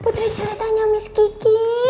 putri celetanya miss kiki